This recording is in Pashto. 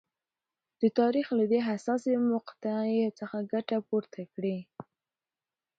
د تاریخ له دې حساسې مقطعې څخه ګټه پورته کړي.